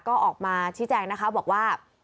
ก็ออกมาชี้แจงนะคะบอกว่า